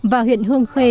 và huyện hương khuê